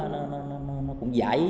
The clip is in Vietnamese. nó cũng giải